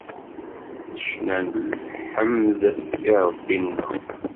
D ccna n lḥemd i Rebbi-neɣ.